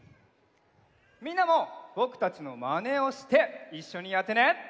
みんなもぼくたちのまねをしていっしょにやってね！